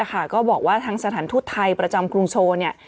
ก็บอกว่าทางสถานทุทธไทยประจำกรุงโชว์